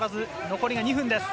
残りが２分です。